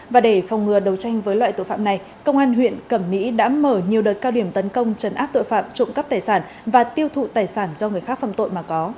và để phòng ngừa đấu tranh với loại tội phạm này công an huyện cẩm mỹ đã mở nhiều đợt cao điểm tấn công trấn áp tội phạm trộm cắp tài sản và tiêu thụ tài sản do người khác phạm tội mà có